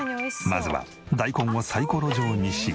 まずは大根をサイコロ状にし。